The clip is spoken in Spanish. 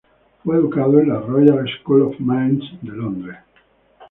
Fue educado en la Royal School of Mines de Londres.